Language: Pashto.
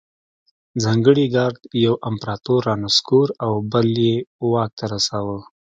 ځانګړي ګارډ یو امپرتور رانسکور او بل یې واک ته رساوه.